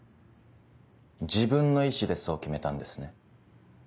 自分の意思でそう決めたんですね。